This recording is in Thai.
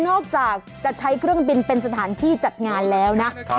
นอกจากจะใช้เครื่องบินเป็นสถานที่จัดงานแล้วนะ